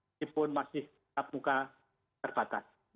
meskipun masih tatap muka terbatas